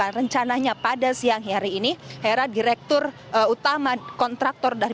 nah rencananya pada siang hari ini hera direktur utama kontraktor dari